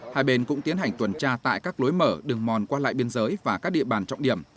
hai bên cũng tiến hành tuần tra tại các lối mở đường mòn qua lại biên giới và các địa bàn trọng điểm